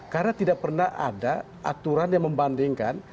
karena tidak pernah ada aturan yang membandingkan